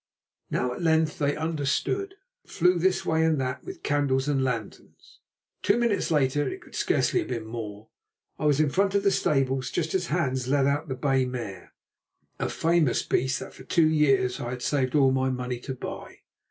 Now at length they understood, and flew this way and that with candles and lanterns. Two minutes later—it could scarcely have been more—I was in front of the stables just as Hans led out the bay mare, a famous beast that for two years I had saved all my money to buy.